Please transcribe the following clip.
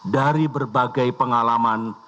dari berbagai pengalaman